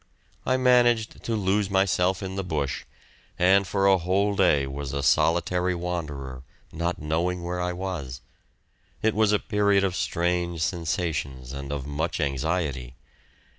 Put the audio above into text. I managed to lose myself in the bush, and for a whole day was a solitary wanderer, not knowing where I was. It was a period of strange sensations and of much anxiety.